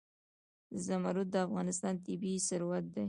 زمرد د افغانستان طبعي ثروت دی.